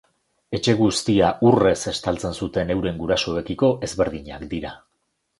Etxe guztia urrez estaltzen zuten euren gurasoekiko ezberdinak dira.